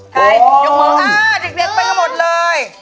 อ๋อติดพิกัดไปกระหมดเลย